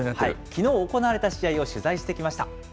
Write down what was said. きのう行われた試合を取材してきました。